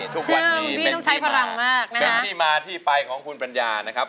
ทุกวันนี้เป็นที่มาเป็นที่มาที่ไปของคุณปัญญานะครับ